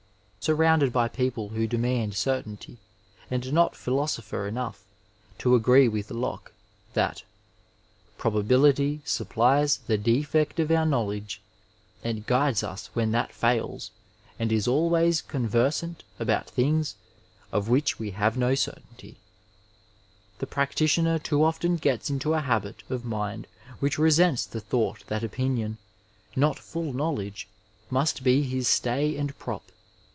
Surrounded by people who demand certainty, and not philosopher enough to agree with Locke that ^^ PrdbabHUy gwfffUeB the defect of our knowledge and guide$ us uhen that fmU and is always cowoersanl about things of which we have no certainiy,'^ the practitioner too often gets into a habit of mind which resents the thought that opinion, not full knowledge, must be his stay and prop.